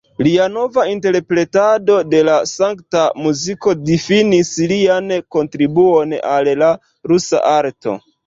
Lia nova interpretado de la sankta muziko difinis lian kontribuon al la rusa arto.